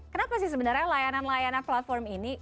kenapa sih sebenarnya layanan layanan platform ini